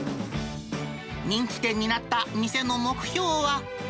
人気店になった店の目標は。